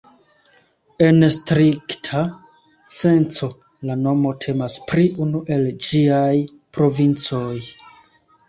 En strikta senco, la nomo temas pri unu el ĝiaj provincoj.